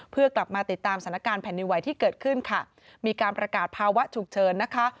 เพื่อกลับมาติดตามสถานการณ์แผ่นดินไหวที่เกิดขึ้นค่ะมีการประกาศภาวะฉุกเฉินนะคะ